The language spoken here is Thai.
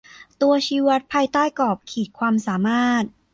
ตัวชี้วัดภายใต้กรอบขีดความสามารถ